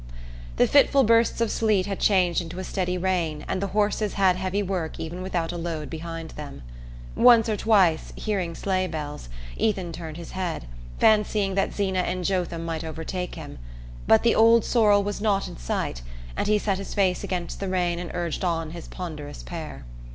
The fitful bursts of sleet had changed into a steady rain and the horses had heavy work even without a load behind them. Once or twice, hearing sleigh bells, Ethan turned his head, fancying that Zeena and Jotham might overtake him; but the old sorrel was not in sight, and he set his face against the rain and urged on his ponderous pair.